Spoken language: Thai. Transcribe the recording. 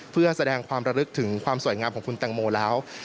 เพื่อแสดงความระลึกถึงความสวยงามของคุณแตงโมแล้ว